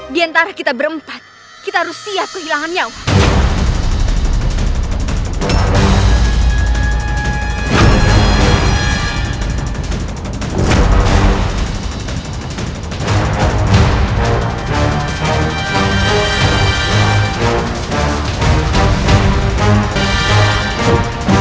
di antara kita berempat kita harus siap kehilangan nyawa